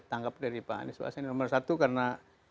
tangkap dari pak anies nomor satu karena